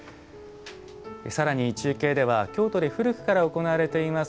さらに中継では京都で古くから行われています